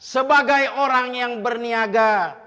sebagai orang yang berniaga